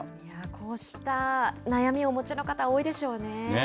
こうした悩みをお持ちの方、多いでしょうね。